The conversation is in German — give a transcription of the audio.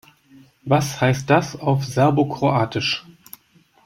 Was heißt das auf Serbokroatisch?